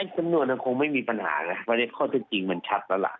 สำนวนคงไม่มีปัญหานะวันนี้ข้อเท็จจริงมันชัดแล้วล่ะ